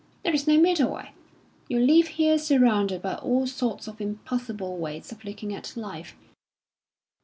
There is no middle way. You live here surrounded by all sorts of impossible ways of looking at life.